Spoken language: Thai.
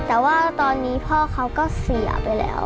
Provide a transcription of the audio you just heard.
แต่ว่าตอนนี้พ่อเขาก็เสียไปแล้ว